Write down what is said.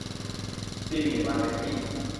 พรีเมียร์ มาร์เก็ตติ้ง